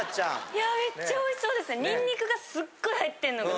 いやめっちゃおいしそうでした。